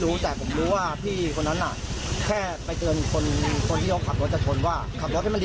แล้วมันพาพวกมา